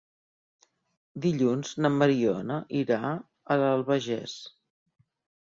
Dilluns na Mariona irà a l'Albagés.